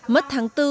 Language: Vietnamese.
mất tháng bốn